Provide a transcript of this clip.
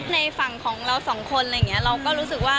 ในฝั่งของเราสองคนเราก็รู้สึกว่า